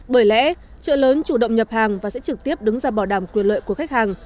bởi lẽ trợ lớn chủ động nhập hàng và sẽ trực tiếp đứng ra bảo đảm quyền lợi của khách hàng